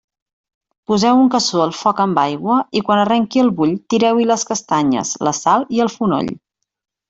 Poseu un cassó al foc amb l'aigua i, quan arrenqui el bull, tireu-hi les castanyes, la sal i el fonoll.